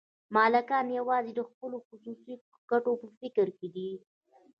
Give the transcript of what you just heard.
مالکان یوازې د خپلو خصوصي ګټو په فکر کې دي